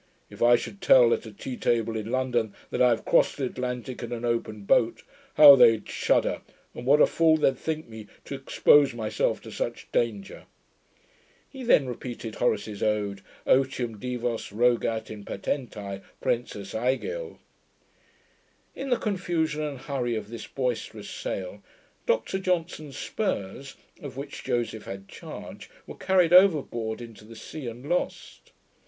If I should tell at a tea table in London, that I have crossed the Atlantick in an open boat, how they'd shudder, and what a fool they'd think me to expose myself to such danger.' He then repeated Horace's ode, Otium Divos rogat in patenti Prensus Aegaeo... In the confusion and hurry of this boisterous sail, Dr Johnson's spurs, of which Joseph had charge, were carried over board into the sea, and lost.